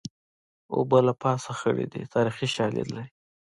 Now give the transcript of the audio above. اوبه له پاسه خړې دي تاریخي شالید لري